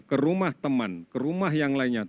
ke rumah teman ke rumah yang lainnya